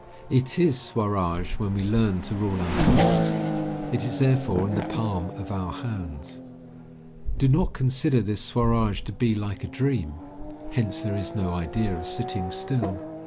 It is Swaraj when we learn to rule ourselves. It is therefore in the palm of our hands. Do not consider this Swaraj to be like a dream. Hence there is no idea of sitting still.